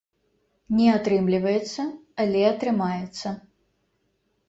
Не атрымліваецца, але атрымаецца.